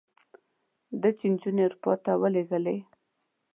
ده چې نجونې اروپا ته ولېږلې.